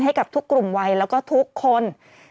ให้กับทุกกลุ่มวัยแล้วก็ทุกคน